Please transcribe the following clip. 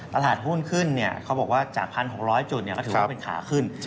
ตลาดหุ้นขึ้นเขาบอกว่าจาก๑๖๐๐จุดก็ถือว่าเป็นขาขึ้น